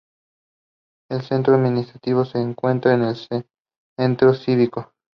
El centro administrativo se encuentra en el Centro Cívico.